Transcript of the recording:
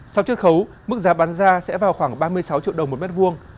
sau triết khấu mức giá bán ra sẽ vào khoảng ba mươi sáu triệu đồng một mét vuông